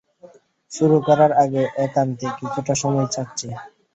শুরু করার আগে একান্তে কিছুটা সময় চাচ্ছি?